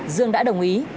dương đã đồng ý